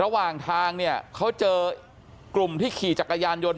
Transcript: ระหว่างทางเนี่ยเขาเจอกลุ่มที่ขี่จักรยานยนต์